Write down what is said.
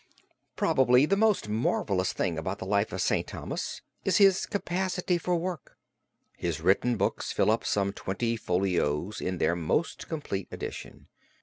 Probably the most marvelous thing about the life of St. Thomas is his capacity for work. His written books fill up some twenty folios in their most complete edition.